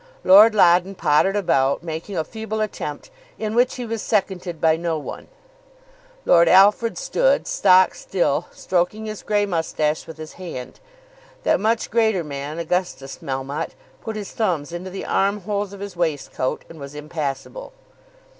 Lord Loddon pottered about, making a feeble attempt, in which he was seconded by no one. Lord Alfred stood, stock still, stroking his grey moustache with his hand. That much greater man, Augustus Melmotte, put his thumbs into the arm holes of his waistcoat, and was impassible.